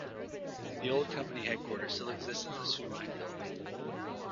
The old company headquarters still exist as the Soo Line Building.